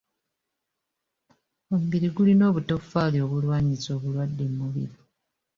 Omubiri gulina obutofaali obulwanyisa obulwadde mu mubiri.